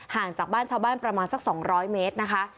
ห่างจากบ้านชาวบ้านประมาณสัก๒๐๐เมตรนะคะ